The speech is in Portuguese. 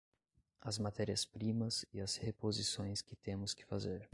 as matérias-primas e as reposições que temos que fazer